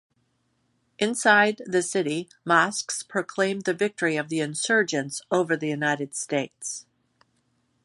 Inside the city, mosques proclaimed the victory of the insurgents over the United States.